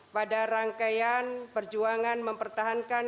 pada rangkaian perjuangan mempertahankan